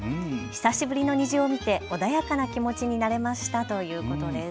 久しぶりの虹を見て穏やかな気持ちになれましたということです。